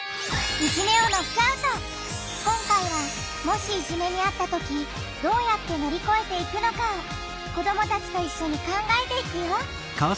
今回はもしいじめにあったときどうやって乗り越えていくのかを子どもたちといっしょに考えていくよ